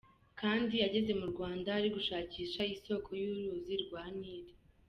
Kandt yageze mu Rwanda ari gushakisha isoko y’uruzi rwa Nil.